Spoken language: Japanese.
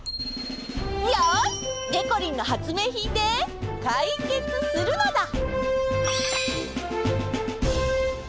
よしでこりんの発明品でかいけつするのだ。